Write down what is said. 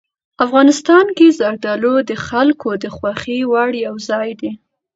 افغانستان کې زردالو د خلکو د خوښې وړ یو ځای دی.